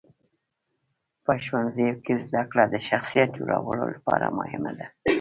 په ښوونځیو کې زدهکړه د شخصیت جوړولو لپاره مهمه ده.